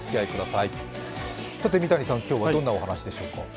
さて三谷さん、今日はどんなお話でしょうか。